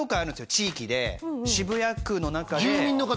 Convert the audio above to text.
地域で渋谷区の中で住民の方？